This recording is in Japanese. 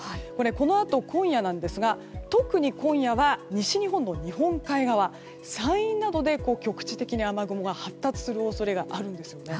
このあと、今夜ですが特に今夜は西日本の日本海側山陰などで局地的に雨雲が発達する恐れがあるんですね。